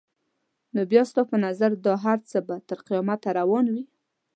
نو بیا ستا په نظر دا هر څه به تر قیامته روان وي؟